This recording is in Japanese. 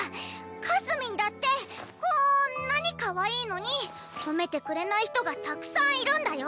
かすみんだってこんなにかわいいのに褒めてくれない人がたくさんいるんだよ